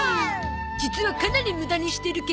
実はかなり無駄にしてるけど。